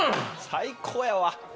最高やわ。